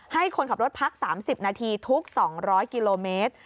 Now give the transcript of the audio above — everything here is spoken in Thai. ให้คนขับรถพัก๓๐นาทีทุก๒๐๐กิโลเมตร